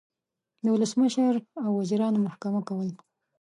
د ولسمشر او وزیرانو محکمه کول